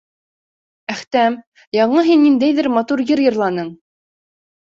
Әхтәм, яңы һин ниндәйҙер матур йыр йырланың.